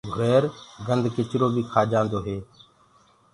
گھُرير گندکِچرو بي کآجآندو هي۔